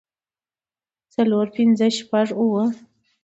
څلور پنځۀ شپږ اووه